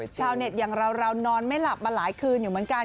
ชาวเน็ตอย่างเรานอนไม่หลับมาหลายคืนอยู่เหมือนกัน